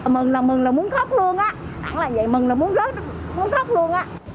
mừng là mừng là muốn khóc luôn á đẳng là vậy mừng là muốn rớt muốn khóc luôn á